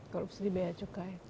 korupsi di beacukai